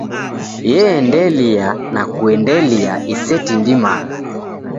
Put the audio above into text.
Yeendelia, na kuendelia isetindimagha.